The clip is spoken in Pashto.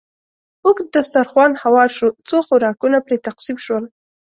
اوږد دسترخوان هوار شو، څو خوراکونه پرې تقسیم شول.